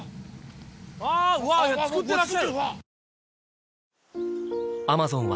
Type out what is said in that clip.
あうわ作ってらっしゃる！